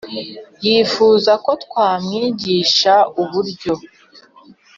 yifuza ko twamwigisha uburyo